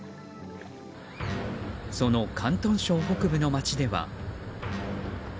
その広東省北部の街では。